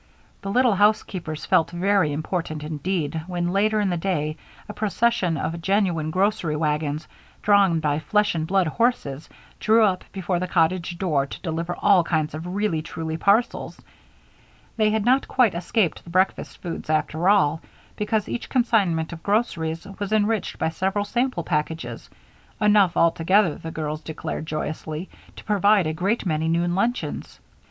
The little housekeepers felt very important indeed, when, later in the day, a procession of genuine grocery wagons, drawn by flesh and blood horses, drew up before the cottage door to deliver all kinds of really truly parcels. They had not quite escaped the breakfast foods after all, because each consignment of groceries was enriched by several sample packages; enough altogether, the girls declared joyously, to provide a great many noon luncheons.